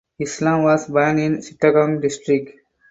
Islam was born in Chittagong District.